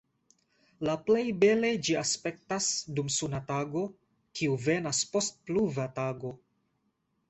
La plej bele ĝi aspektas dum suna tago, kiu venas post pluva tago.